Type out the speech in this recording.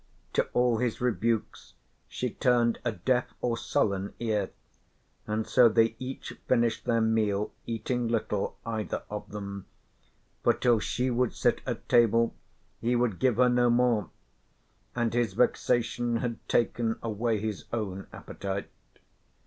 To all his rebukes she turned a deaf or sullen ear, and so they each finished their meal eating little, either of them, for till she would sit at table he would give her no more, and his vexation had taken away his own appetite.